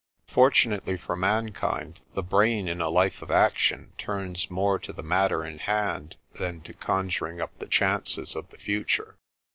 Fortunately for mankind the brain in a life of action turns more to the matter in hand than to conjuring up the chances of the future.